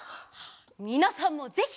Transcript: みなさんもぜひ！